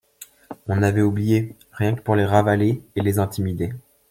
On n'avait oublié rien pour les ravaler et les intimider.